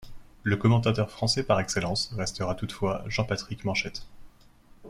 Le commentateur français par excellence restera toutefois Jean-Patrick Manchette.